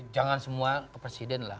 jangan semua ke presiden lah